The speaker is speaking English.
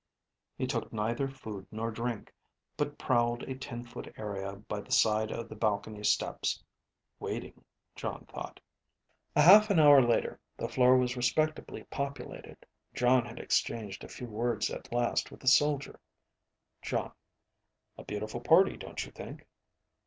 He took neither food nor drink, but prowled a ten foot area by the side of the balcony steps. Waiting, Jon thought. A half an hour later, the floor was respectably populated. Jon had exchanged a few words at last with the soldier. (Jon: "A beautiful party, don't you think?"